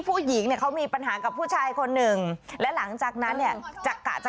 คุณตั้งเชื้อให้เขานะ